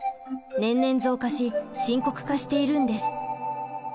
年々増加し深刻化しているんです。